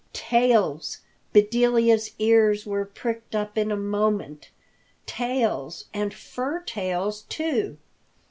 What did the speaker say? Tails! Bedelia's ears were pricked up in a moment. Tails, and fur tails, too!